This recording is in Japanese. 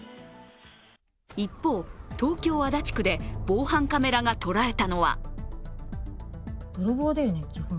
一方、東京・足立区で防犯カメラが捉えたのは。